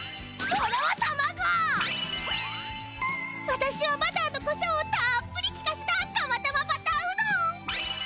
わたしはバターとこしょうをたっぷりきかせたかまたまバターうどん！